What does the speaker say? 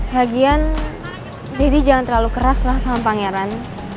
lagian jadi jangan terlalu keras lah sama pangeran